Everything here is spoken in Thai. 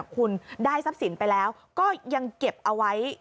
คุณได้ทรัพย์สินไปแล้วก็ยังเก็บเอาไว้